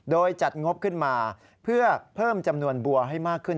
โดยจัดงบขึ้นมาเพื่อเพิ่มจำนวนบัวให้มากขึ้น